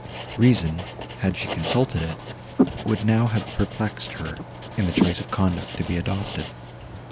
Reason, had she consulted it, would now have perplexed her in the choice of a conduct to be adopted.